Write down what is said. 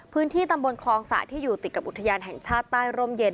พื้นที่ตำบลคลองสะที่อยู่ติดกับอุทยานแห่งชาติใต้ร่มเย็น